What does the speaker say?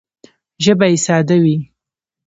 ژبه یې ساده وي